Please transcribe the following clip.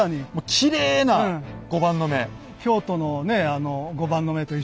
きれいな碁盤の目。